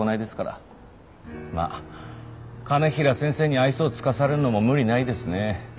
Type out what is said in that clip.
まあ兼平先生に愛想を尽かされるのも無理ないですね。